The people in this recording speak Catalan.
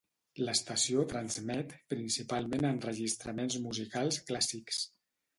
L'estació transmet principalment enregistraments musicals clàssics.